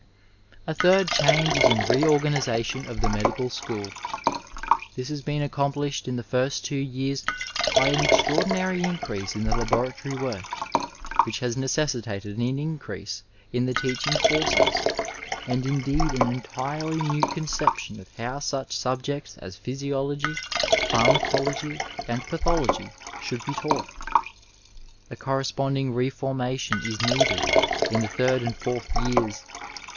HI A third change is in reorganization of the medical school. This has been accomplished in the first two years by an extraordinary increase in the laboratory work, which has necessitated an increase in the teaching force, and indeed an entirely new conception of how such subjects as physiology, pharmacology and pathology should be taught. A corres ponding reformation is needed in the third and fourth years.